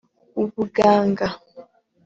ubuganga